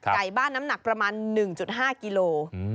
ไก่บ้านน้ำหนักประมาณ๑๕กิโล